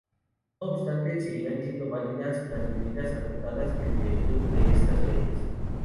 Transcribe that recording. No obstante, seguirán siendo válidas las medidas adoptadas en virtud de estas leyes.